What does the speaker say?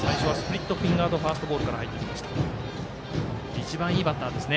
一番いいバッターですね。